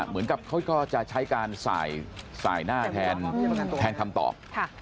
เหมือนกับเขาก็จะใช้การสายหน้าแทนคำตอบ